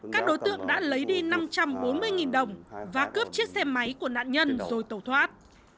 các đối tượng đã lấy đi năm trăm bốn mươi đồng và cướp chiếc xe máy của nạn nhân rồi tẩu thoát